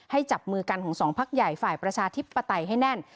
จับมือกันของสองพักใหญ่ฝ่ายประชาธิปไตยให้แน่น